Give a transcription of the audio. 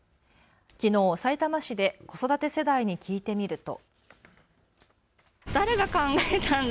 きのう、さいたま市で子育て世代に聞いてみると。